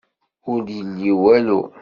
Ur d-yelli walu.